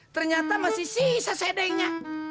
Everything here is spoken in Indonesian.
ternyata masih sisa sedengnya